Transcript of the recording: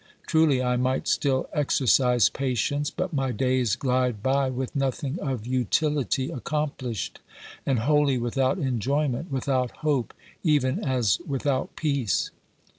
Truly I might still exercise patience, but my days glide by with nothing of utility accomplished, and wholly without enjoyment, without hope, even as without peace.